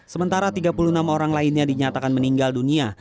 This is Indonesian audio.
sementara tiga puluh enam orang lainnya dinyatakan meninggal dunia